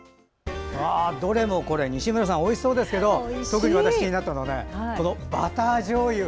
どれも西村さんおいしそうですけど特に私が気になったのはバターじょうゆ。